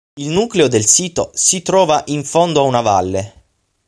Il nucleo del sito si trova in fondo a una valle.